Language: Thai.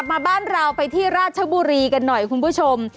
มาบ้านเราไปที่ราชบุรีกันหน่อยคุณผู้ชม